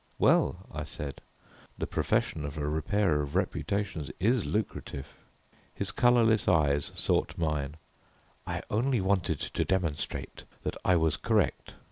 "Well," I said, "the profession of a Repairer of Reputations is lucrative." His colourless eyes sought mine, "I only wanted to demonstrate that I was correct.